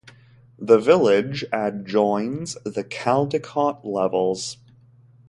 The village adjoins the Caldicot Levels.